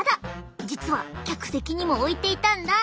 実は客席にも置いていたんだ。